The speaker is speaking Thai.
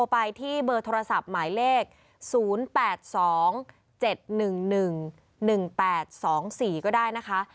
ไปที่เบอร์โทรศัพท์หมายเลข๐๘๒๗๑๑๑๘๒๔ก็ได้นะคะ